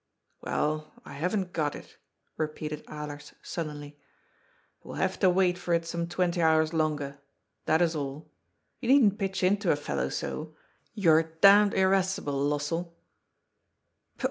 " Well, I haven't got it," repeated Alers sullenly. " He will have to wait for it some twenty hours longer. That is all. You needn't pitch into a fellow so. You are d irascible, Lossell."